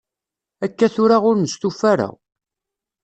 Akka tura ur nestufa ara.